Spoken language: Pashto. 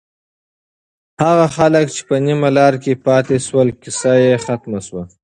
هغه خلک چې په نیمه لاره کې پاتې شول، کیسه یې ختمه شوه.